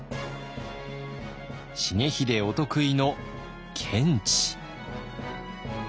重秀お得意の検地。